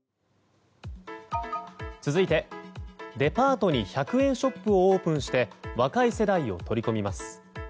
続いてデパートに１００円ショップをオープンして若い世代を取り込みます。